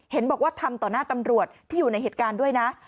เห็นบอกว่าทำต่อหน้าตำรวจที่อยู่ในเหตุการณ์ด้วยนะ